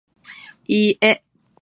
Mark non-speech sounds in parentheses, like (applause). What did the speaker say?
(noise) ee-ih